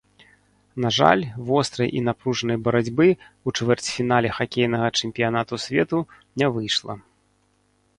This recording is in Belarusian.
На жаль, вострай і напружанай барацьбы ў чвэрцьфінале хакейнага чэмпіянату свету не выйшла.